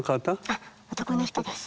あっ男の人です。